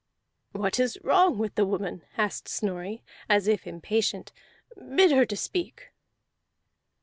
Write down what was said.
"What is wrong with the woman?" asked Snorri as if impatient. "Bid her to speak."